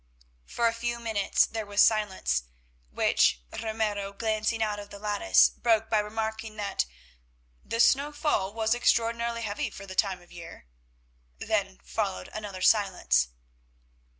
For a few minutes there was silence, which Ramiro, glancing out of the lattice, broke by remarking that "The snowfall was extraordinarily heavy for the time of year." Then followed another silence.